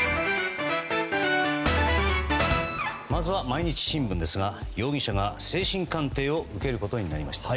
まずは毎日新聞ですが容疑者が精神鑑定を受けることになりました。